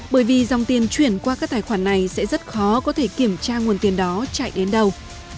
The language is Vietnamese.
bởi vì dòng tiền chuyển qua các tài khoản này sẽ rất khó có thể kiểm tra nguồn tiền đó chạy đến đâu